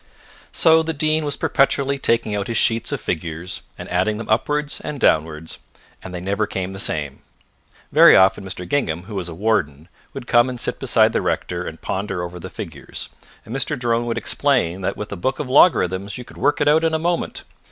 So the Dean was perpetually taking out his sheets of figures, and adding them upwards and downwards, and they never came the same. Very often Mr. Gingham, who was a warden, would come and sit beside the rector and ponder over the figures, and Mr. Drone would explain that with a book of logarithms you could work it out in a moment.